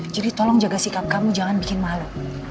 jadi tolong jaga sikap kamu jangan bikin malu